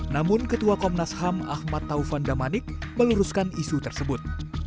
namun ketua komnas ham ahmad taufan damanik meluruskan isu tersebut